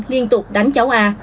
liên tục đánh cháu a